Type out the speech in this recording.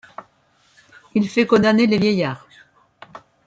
Il fait condamner les vieillards.